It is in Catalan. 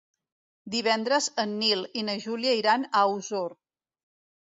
Divendres en Nil i na Júlia iran a Osor.